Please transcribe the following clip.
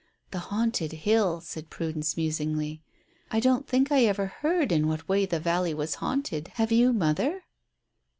"The Haunted Hill," said Prudence musingly. "I don't think I ever heard in what way the valley was haunted. Have you, mother?"